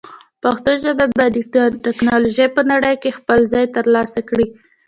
پښتو ژبه باید د ټکنالوژۍ په نړۍ کې خپل ځای ترلاسه کړي.